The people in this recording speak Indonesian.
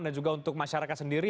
dan juga masyarakat sendiri